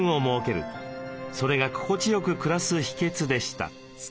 それが心地よく暮らす秘けつでした。